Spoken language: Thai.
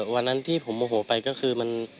วันนั้นที่ผมโมโหไปก็คือมัน